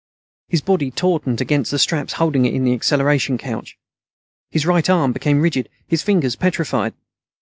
His body tautened against the straps holding it in the acceleration couch. His right arm became rigid; his fingers petrified.